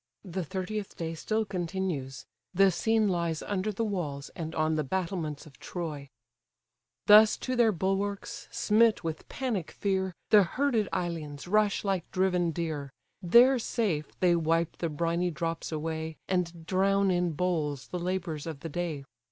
The thirtieth day still continues. The scene lies under the walls, and on the battlements of Troy. Thus to their bulwarks, smit with panic fear, The herded Ilians rush like driven deer: There safe they wipe the briny drops away, And drown in bowls the labours of the day.